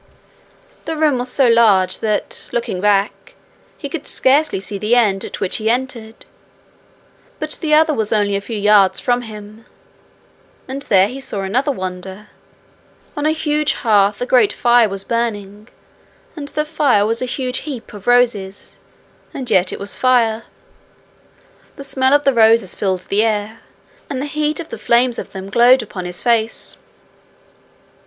The room was so large that, looking back, he could scarcely see the end at which he entered; but the other was only a few yards from him and there he saw another wonder: on a huge hearth a great fire was burning, and the fire was a huge heap of roses, and yet it was fire. The smell of the roses filled the air, and the heat of the flames of them glowed upon his face.